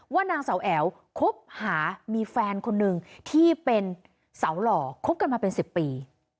นางเสาแอ๋วคบหามีแฟนคนหนึ่งที่เป็นสาวหล่อคบกันมาเป็น๑๐ปี